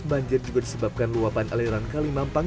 banjir juga disebabkan luapan aliran kali mampang